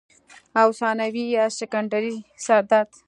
او ثانوي يا سيکنډري سردرد